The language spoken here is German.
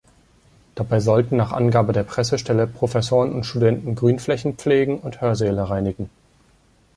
Dabei sollten nach Angabe der Pressestelle Professoren und Studenten Grünflächen pflegen und Hörsäle reinigen.